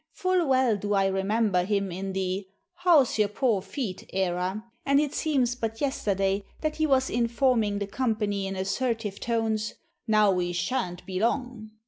Full well do I remember him in the "How's your poor feet?" era; and it seems but yesterday that he was informing the company in assertive tones, "Now we shan't be long!"